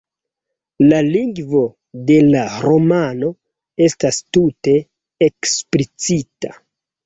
La lingvo de la romano estas tute eksplicita.